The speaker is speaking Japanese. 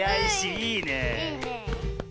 いいねえ。